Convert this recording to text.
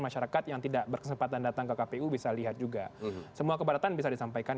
masyarakat yang tidak berkesempatan datang ke kpu bisa lihat juga semua keberatan bisa disampaikan